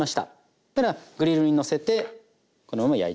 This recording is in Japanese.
そしたらグリルにのせてこのまま焼いていきます。